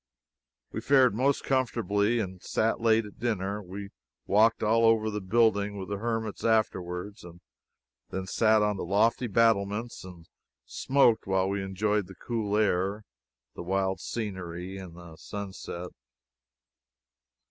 We fared most comfortably, and sat late at dinner. We walked all over the building with the hermits afterward, and then sat on the lofty battlements and smoked while we enjoyed the cool air, the wild scenery and the sunset.